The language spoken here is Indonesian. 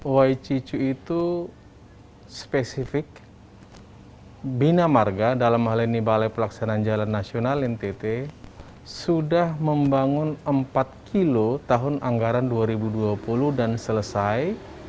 wai cicu itu spesifik bina marga dalam hal ini balai pelaksanaan jalan nasional ntt sudah membangun empat kilo tahun anggaran dua ribu dua puluh dan selesai